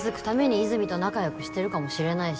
和泉と仲よくしてるかもしれないし